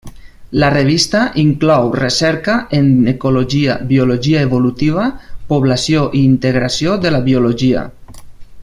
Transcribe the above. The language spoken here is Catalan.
La revista inclou recerca en ecologia, biologia evolutiva, població i integració de la biologia.